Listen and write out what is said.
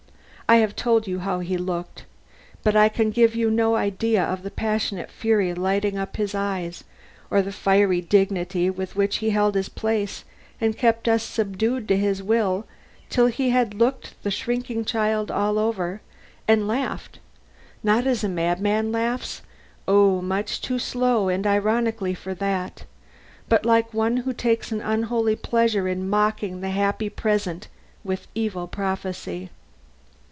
I have told you how he looked, but I can give you no idea of the passionate fury lighting up his eyes, or the fiery dignity with which he held his place and kept us subdued to his will till he had looked the shrinking child all over, and laughed, not as a madman laughs, oh, much too slow and ironically for that! but like one who takes an unholy pleasure in mocking the happy present with evil prophecy.